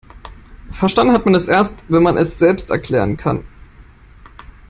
Verstanden hat man es erst, wenn man es selbst erklären kann.